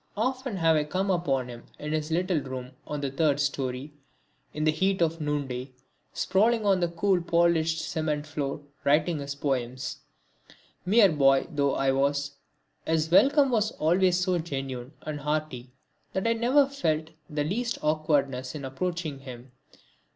Often have I come upon him in his little room on the third storey, in the heat of noonday, sprawling on the cool polished cement floor, writing his poems. Mere boy though I was, his welcome was always so genuine and hearty that I never felt the least awkwardness in approaching him.